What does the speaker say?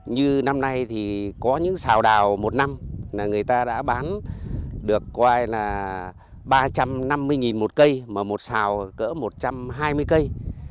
như năm nay thì có những xào đào một năm là người ta đã bán được coi là ba trăm năm mươi một cây mà một xào cỡ một trăm hai mươi cây